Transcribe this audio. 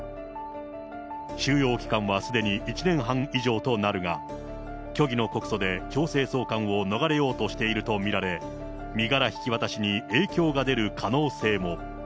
収容期間はすでに１年半以上となるが、虚偽の告訴で強制送還を逃れようとしていると見られ、身柄引き渡しに影響が出る可能性も。